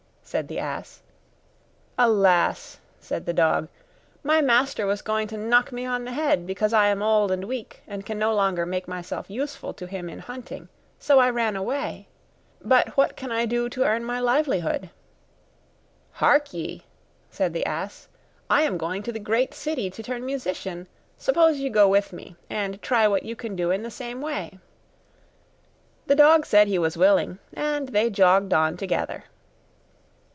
said the ass. 'Alas!' said the dog, 'my master was going to knock me on the head, because I am old and weak, and can no longer make myself useful to him in hunting; so I ran away; but what can I do to earn my livelihood?' 'Hark ye!' said the ass, 'I am going to the great city to turn musician: suppose you go with me, and try what you can do in the same way?' The dog said he was willing, and they jogged on together.